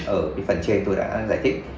ở phần trên tôi đã giải thích